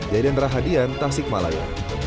jadian rahadian tasik malaya